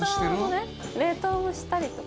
冷凍もしたりとか。